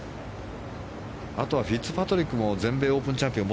あとはフィッツパトリックも全米オープンチャンピオン。